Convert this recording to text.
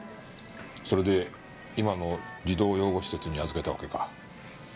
それで今の児童養護施設に預けたわけか。